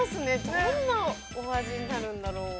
どんなお味になるんだろう。